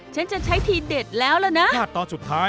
ฉันจะใช้ทีเด็ดแล้วละนะ